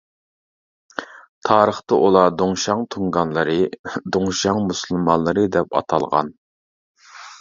تارىختا ئۇلار «دۇڭشياڭ تۇڭگانلىرى» ، «دۇڭشياڭ مۇسۇلمانلىرى» دەپ ئاتالغان.